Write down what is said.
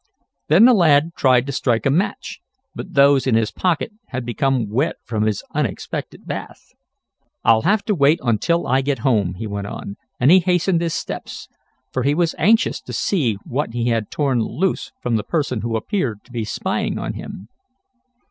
Then the lad tried to strike a match, but those in his pocket had become wet from his unexpected bath. "I'll have to wait until I get home," he went on, and he hastened his steps, for he was anxious to see what he had torn loose from the person who appeared to be spying on him.